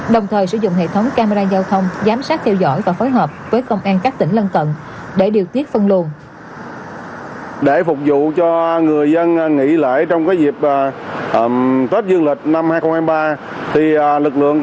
đồng thời sử dụng hệ thống camera giao thông giám sát theo dõi và phối hợp với công an các tỉnh lân tận